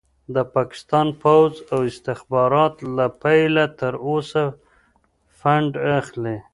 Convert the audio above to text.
د پاکستان پوځ او استخبارات له پيله تر اوسه فنډ اخلي.